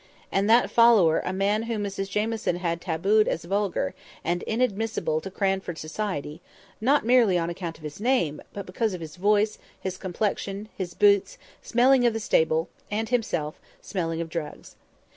And that follower a man whom Mrs Jamieson had tabooed as vulgar, and inadmissible to Cranford society, not merely on account of his name, but because of his voice, his complexion, his boots, smelling of the stable, and himself, smelling of drugs.